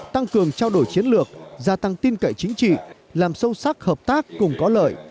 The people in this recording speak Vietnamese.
tăng cường trao đổi chiến lược gia tăng tin cậy chính trị làm sâu sắc hợp tác cùng có lợi